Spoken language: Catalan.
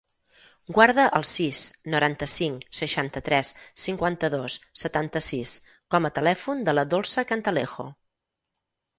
Guarda el sis, noranta-cinc, seixanta-tres, cinquanta-dos, setanta-sis com a telèfon de la Dolça Cantalejo.